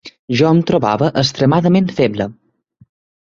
Jo em trobava extremament feble